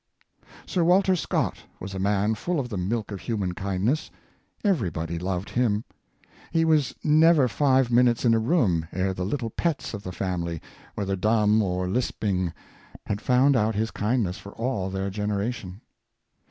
Sir Walter Scott was a man full of the milk of hu man kindness. Every body loved him. He was never five minutes in a room ere the little pets of the family, whether dumb or lisping, had found out his kindness for all their generation.